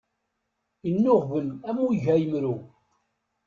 Innuɣben am ugayemru.